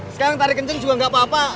sekarang tarik kenceng juga nggak apa apa